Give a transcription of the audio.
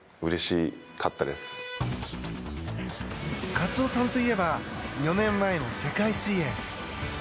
カツオさんといえば４年前の世界水泳。